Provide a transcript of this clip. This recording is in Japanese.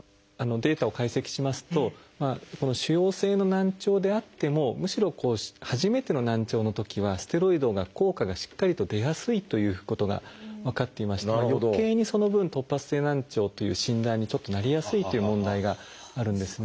データを解析しますと腫瘍性の難聴であってもむしろ初めての難聴のときはステロイドが効果がしっかりと出やすいということが分かっていましてよけいにその分突発性難聴という診断にちょっとなりやすいっていう問題があるんですね。